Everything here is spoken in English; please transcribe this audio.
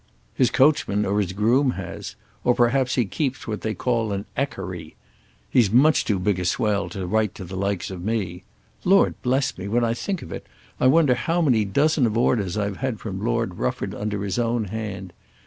"His coachman or his groom has; or perhaps he keeps what they call an ekkery. He's much too big a swell to write to the likes of me. Lord bless me, when I think of it, I wonder how many dozen of orders I've had from Lord Rufford under his own hand.